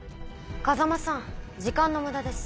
風真さん時間の無駄です